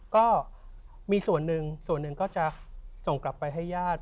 ก็มีส่วนหนึ่งส่วนหนึ่งก็จะส่งกลับไปให้ญาติ